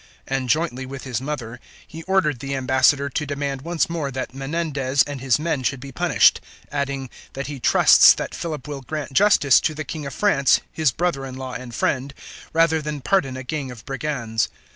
And, jointly with his mother, he ordered the ambassador to demand once more that Menendez and his men should be punished, adding, that he trusts that Philip will grant justice to the King of France, his brother in law and friend, rather than pardon a gang of brigands.